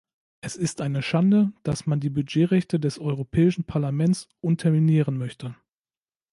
Es ist eine Schande, dass man die Budgetrechte des Europäischen Parlaments unterminieren möchte.